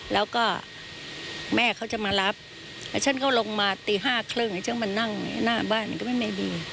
แล้วก็แม่เขาจะมารับแล้วฉันก็ลงมาตีห้าครึ่งไอ้ฉันมานั่งหน้าบ้านมันก็ไม่ดี